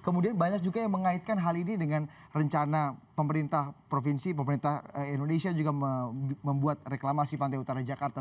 kemudian banyak juga yang mengaitkan hal ini dengan rencana pemerintah provinsi pemerintah indonesia juga membuat reklamasi pantai utara jakarta